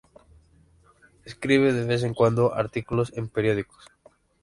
Escribe de vez en cuando artículos en periódicos.